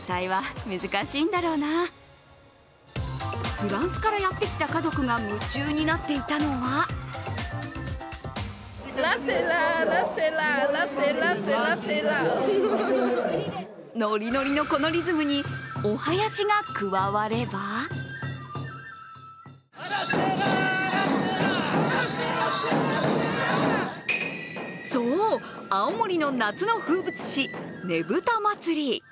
フランスからやってきた家族が夢中になっていたのはノリノリのこのリズムにお囃子が加わればそう、青森の夏の風物詩、ねぶた祭。